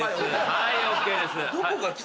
はいＯＫです。